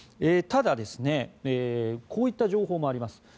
ただこういった情報もあります。